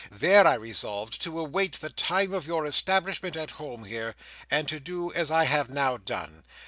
There I resolved to await the time of your establishment at home here, and to do as I have now done.